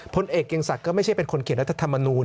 พลเอกเกียงศักดิ์ก็ไม่ใช่เป็นคนเขียนรัฐธรรมนูล